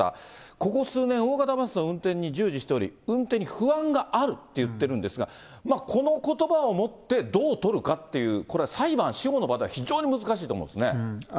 ここ数年、大型バスの運転に従事しており、運転に不安があるって言っているんですが、このことばをもってどう取るかっていう、これは裁判、司法の場では非常に難しいと思うんですよね。